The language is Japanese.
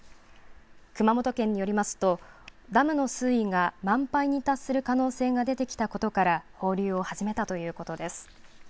熊本県によりますとダムの水位が満杯に達する可能性が出てきたことから放流を始めたということです。